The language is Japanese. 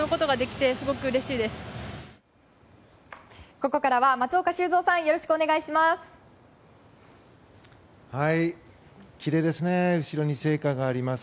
ここからは、松岡修造さんよろしくお願いします。